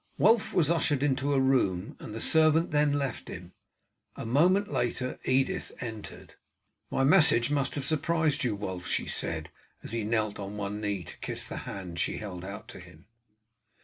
Wulf was ushered into a room, and the servant then left him. A moment later Edith entered. "My message must have surprised you, Wulf," she said, as he knelt on one knee to kiss the hand she held out to him.